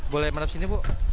boleh menempat sini bu